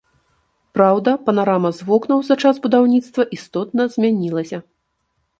Праўда, панарама з вокнаў за час будаўніцтва істотна змянілася.